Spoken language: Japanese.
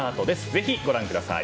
ぜひご覧ください。